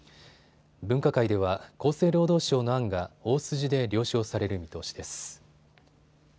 分科会では厚生労働省の案が大筋で了承される見通しです。